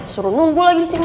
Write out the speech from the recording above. seru nunggu lagi disini